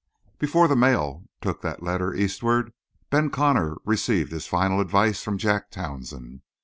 Before the mail took that letter eastward, Ben Connor received his final advice from Jack Townsend.